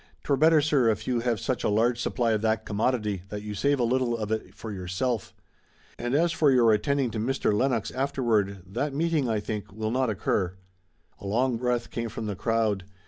'Twere better, sir, if you have such a large supply of that commodity that you save a little of it for yourself. And as for your attending to Mr. Lennox afterward, that meeting, I think, will not occur." A long breath came from the crowd.